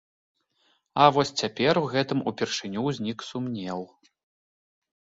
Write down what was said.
А вось цяпер у гэтым упершыню ўзнік сумнеў.